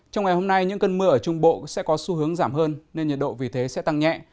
trong ngày hôm nay những cơn mưa ở trung bộ sẽ có xu hướng giảm hơn nên nhiệt độ vì thế sẽ tăng nhẹ